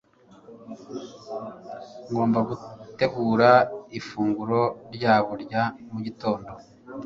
ngomba gutegura ifunguro ryabo rya mugitondo